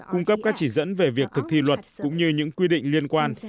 cung cấp các chỉ dẫn về việc thực thi luật cũng như những quy định liên quan